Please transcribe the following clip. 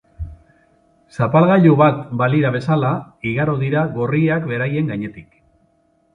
Zapalgailu bat balira bezala igaro dira gorriak beraien gainetik.